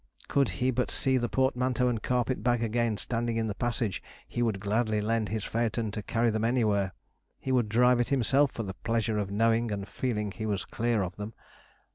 could he but see the portmanteau and carpet bag again standing in the passage, he would gladly lend his phaeton to carry them anywhere. He would drive it himself for the pleasure of knowing and feeling he was clear of them.